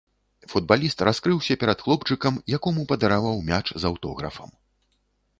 Футбаліст раскрыўся перад хлопчыкам, якому падараваў мяч з аўтографам.